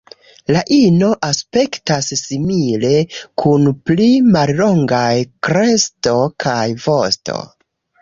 La ino aspektas simile, kun pli mallongaj kresto kaj vosto.